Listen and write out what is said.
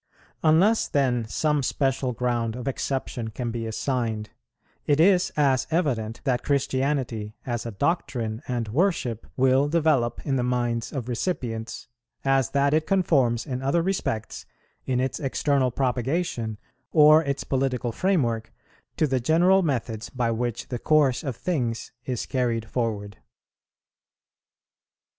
Unless then some special ground of exception can be assigned, it is as evident that Christianity, as a doctrine and worship, will develope in the minds of recipients, as that it conforms in other respects, in its external propagation or its political framework, to the general methods by which the course of things is carried forward.